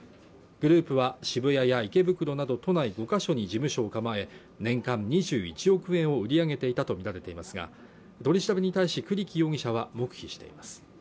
グループは渋谷や池袋など都内５カ所に事務所を構え年間２１億円を売り上げていたと見られていますが取り調べに対し栗木容疑者は黙秘しています